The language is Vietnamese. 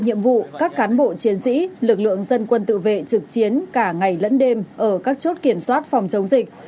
nhiệm vụ các cán bộ chiến sĩ lực lượng dân quân tự vệ trực chiến cả ngày lẫn đêm ở các chốt kiểm soát phòng chống dịch